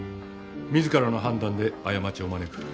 自らの判断で過ちを招く。